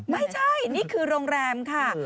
ไม่ใช่นี่คือโรงแรมค่ะ